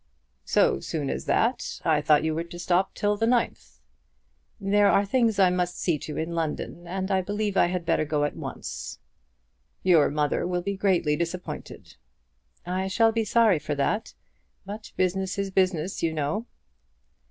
"So soon as that. I thought you were to stop till the 9th." "There are things I must see to in London, and I believe I had better go at once." "Your mother will be greatly disappointed." "I shall be sorry for that; but business is business, you know."